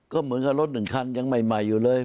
ก็เหมือนกับรถหนึ่งคันยังใหม่อยู่เลย